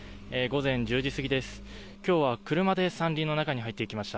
午前１０時過ぎです。